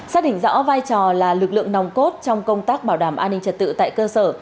xác định rõ vai trò là lực lượng nòng cốt trong công tác bảo đảm an ninh trật tự tại cơ sở